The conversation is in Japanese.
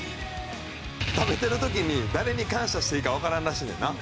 食べてる時に誰に感謝していいかわからんらしいねんな。